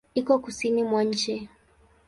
Iko kusini mwa nchi.